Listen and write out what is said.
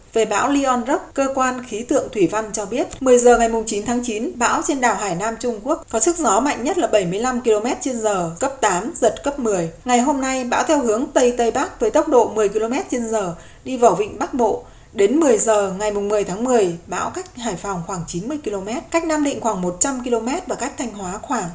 về bão lyon rock cơ quan khí tượng thủy văn cho biết một mươi h ngày chín tháng chín bão trên đảo hải nam trung quốc có sức gió mạnh nhất là bảy mươi năm kmh cấp tám giật cấp một mươi ngày hôm nay bão theo hướng tây tây bắc với tốc độ một mươi kmh đi vào vịnh bắc bộ đến một mươi h ngày một mươi tháng một mươi bão cách hải phòng khoảng chín mươi km cách nam định khoảng một trăm linh km và cách thanh hóa